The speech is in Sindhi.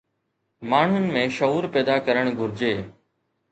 ماڻهن ۾ شعور پيدا ڪرڻ گهرجي